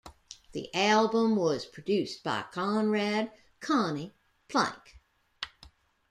The album was produced by Konrad "Conny" Plank.